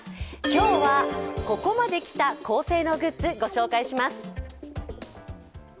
今日は、ここまできた高性能グッズご紹介します。